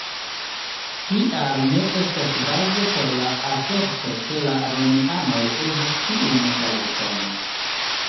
Tial ne estas bazo por la aserto ke la romianoj uzis tiun saluton.